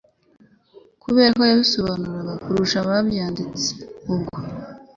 kuko yabisobanuraga kurusha ababyanditse ubwabo.